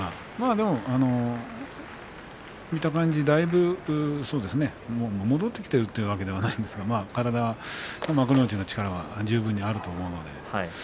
でも見た感じだいぶ戻ってきているというわけではないんですが幕内の力は十分にあると思います。